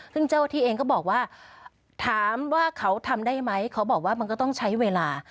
ซึ่งเจ้าที่เองก็บอกว่าถามว่าเขาทำได้ไหมเขาบอกว่ามันก็ต้องใช้เวลา